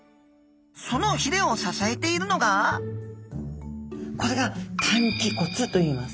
そのひれを支えているのがこれが担鰭骨といいます。